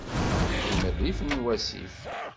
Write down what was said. Yeqqim rrif n wasif.